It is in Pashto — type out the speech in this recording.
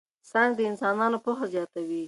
ساینس د انسانانو پوهه زیاتوي.